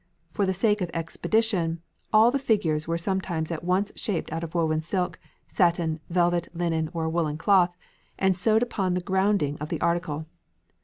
For the sake of expedition, all the figures were sometimes at once shaped out of woven silk, satin, velvet, linen, or woollen cloth, and sewed upon the grounding of the article....